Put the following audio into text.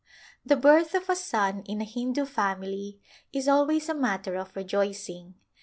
The birth of a son in a Hindu family is always a matter of rejoicing.